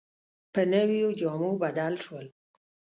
په نویو جامو بدل شول.